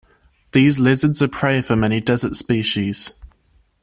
These lizards are prey for many desert species.